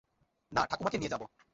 না ঠাকুমাকে নিয়ে যাব।